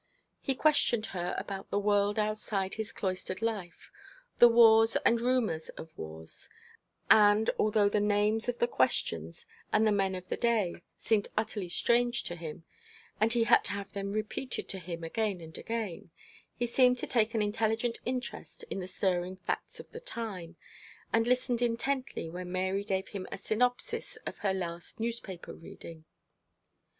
He questioned her about the world outside his cloistered life the wars and rumours of wars and, although the names of the questions and the men of the day seemed utterly strange to him, and he had to have them repeated to him again and again, he seemed to take an intelligent interest in the stirring facts of the time, and listened intently when Mary gave him a synopsis of her last newspaper reading.